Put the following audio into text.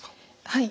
はい。